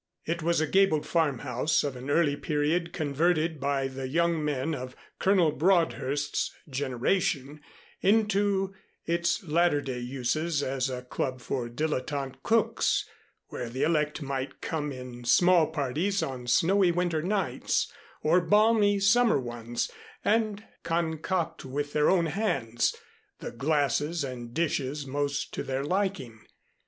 It was a gabled farmhouse of an early period converted by the young men of Colonel Broadhurst's generation into its latter day uses as a club for dilettante cooks, where the elect might come in small parties on snowy winter nights, or balmy summer ones, and concoct with their own hands the glasses and dishes most to their liking.